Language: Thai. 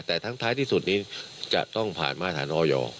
แต่ทั้งท้ายที่สุดนี้จะต้องผ่านมาฐานออย